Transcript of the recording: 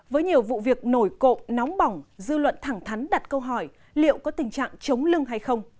với nhiều vụ việc nổi cộ nóng bỏng dư luận thẳng thắn đặt câu hỏi liệu có tình trạng chống lưng hay không